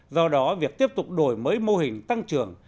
do đó việc tiếp tục đổi mới mô hình tăng trưởng